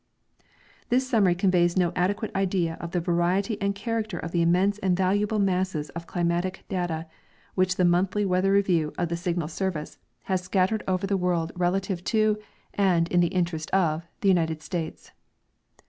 This summary conveys no adequate idea of the variety and character of the immense and valuable masses of climatic data which the monthlv Weather Review of the Signal service has 9(3 General A. W. Greehj — Geof/rapJiy of tlie Air. scattered over the world relative to, and in the interest of, the United States.